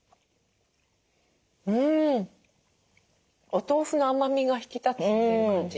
お豆腐の甘みが引き立つって感じ。